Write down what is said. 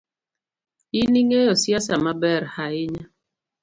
In ingeyo siasa maber hainya.